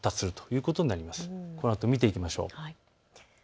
このあと見ていきましょう。